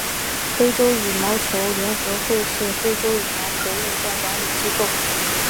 非洲羽毛球联合会是非洲羽毛球运动管理机构。